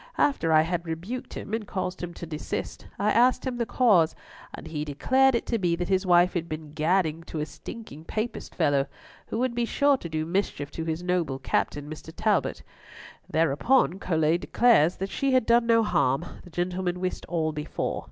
After I had rebuked him and caused him to desist, I asked him the cause, and he declared it to be that his wife had been gadding to a stinking Papist fellow, who would be sure to do a mischief to his noble captain, Mr. Talbot. Thereupon Colet declares that she had done no harm, the gentleman wist all before.